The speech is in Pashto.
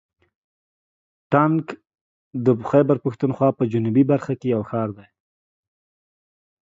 ټانک د خیبر پښتونخوا په جنوبي برخه کې یو ښار دی.